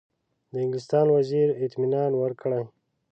د انګلستان وزیر اطمینان ورکړی.